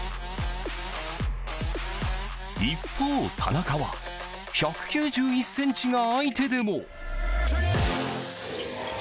一方、田中は１９１ｃｍが相手でも。